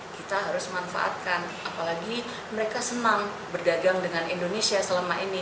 kita harus manfaatkan apalagi mereka senang berdagang dengan indonesia